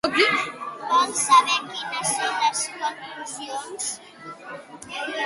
Vols saber quines són les conclusions?